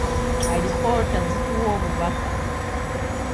Alipoota zituwa obubaka.